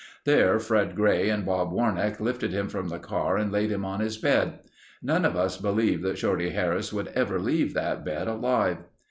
There Fred Gray and Bob Warnack lifted him from the car and laid him on his bed. None of us believed that Shorty Harris would ever leave that bed alive.